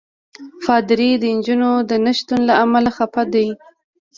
پادري د نجونو د نه شتون له امله خفه دی.